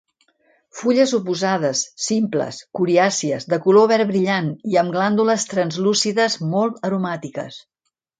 Fulles oposades, simples, coriàcies, de color verd brillant i amb glàndules translúcides molt aromàtiques.